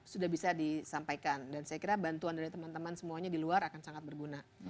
sudah bisa disampaikan dan saya kira bantuan dari teman teman semuanya di luar akan sangat berguna